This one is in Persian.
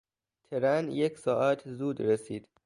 ترن یک ساعت زود رسید.